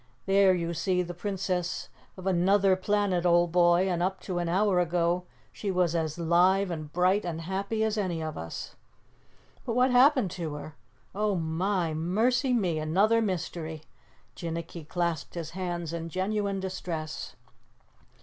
"There you see the Princess of Anuther Planet, old boy, and up to an hour ago she was as live and bright and happy as any of us." "But what happened to her? Oh, my, mercy me, another mystery!" Jinnicky clasped his hands in genuine distress.